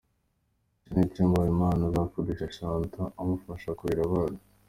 Icyo ni icyumba Habimana akodeshereza Chanta umufasha kurera abana.